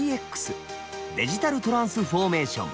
デジタルトランスフォーメーション。